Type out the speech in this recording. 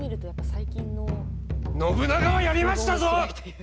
信長はやりましたぞ！